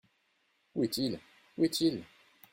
Où est-il ? où est-il ?